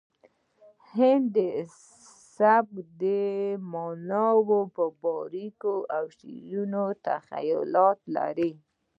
هندي سبک د معناوو باریکۍ او شاعرانه تخیلات لري